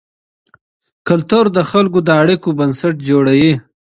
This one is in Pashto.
کلتور د خلکو د اړیکو بنسټ جوړوي.